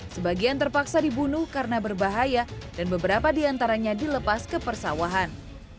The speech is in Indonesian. sebagian terpaksa dibunuh karena berbahaya dan beberapa diantaranya dilepas ke persawahan